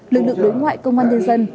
lực lượng đối ngoại công an nhân dân